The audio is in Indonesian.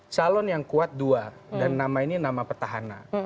calon yang kuat dua dan nama ini nama petahana